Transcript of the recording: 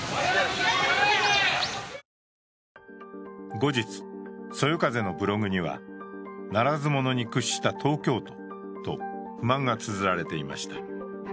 後日、そよ風のブログには、ならず者に屈した東京都と不満がつづられていました。